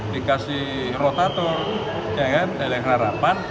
digiras atau diapa